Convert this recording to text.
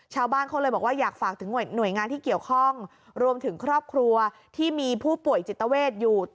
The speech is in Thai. ชาวบ้านเขาเลยบอกว่าอยากฝากถึงหน่วยงานที่เกี่ยวข้องรวมถึงครอบครัวที่มีผู้ป่วยจิตเวทอยู่